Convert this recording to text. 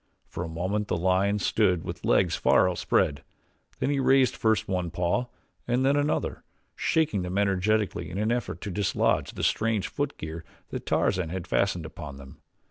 For a moment the lion stood with legs far outspread, then he raised first one paw and then another, shaking them energetically in an effort to dislodge the strange footgear that Tarzan had fastened upon them.